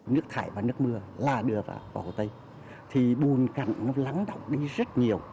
nước thải và nước mưa là đưa vào hồ tây thì bùn cặn nó lắng động đi rất nhiều